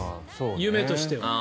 夢としては。